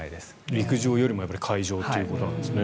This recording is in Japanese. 陸上よりも海上ということなんですね。